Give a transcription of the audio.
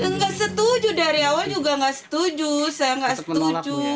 nggak setuju dari awal juga nggak setuju saya nggak setuju